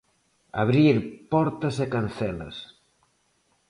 Abrir portas e cancelas.